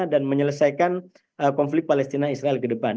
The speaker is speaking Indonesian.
dan menyelesaikan konflik palestina israel ke depan